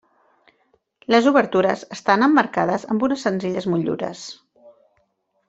Les obertures estan emmarcades amb unes senzilles motllures.